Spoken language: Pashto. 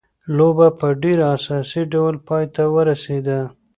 لوبه په ډېر احساساتي ډول پای ته ورسېده.